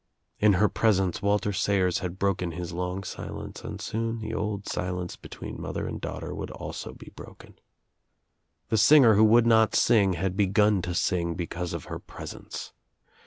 In her presence Walter Sayers had broken his long silence and soon the old silence between mother and daughter would also be broken. The singer who would not sing had begun to sing because of her presence.